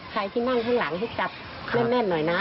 ใครที่นั่งข้างหลังให้จับแม่นหน่อยนะ